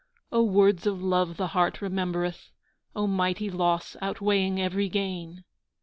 (O words of love the heart remembereth, O mighty loss outweighing every gain!)